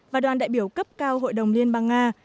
và đoàn đại biểu cấp cao hội đồng liên bang nga